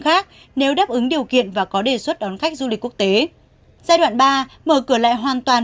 khác nếu đáp ứng điều kiện và có đề xuất đón khách du lịch quốc tế giai đoạn ba mở cửa lại hoàn toàn